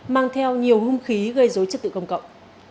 mang theo nhiều hung khí gây dối trật tự công cộng